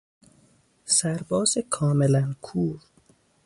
سرباز کاملا کور